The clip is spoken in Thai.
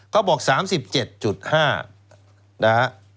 ก็บอกว่า๓๗๕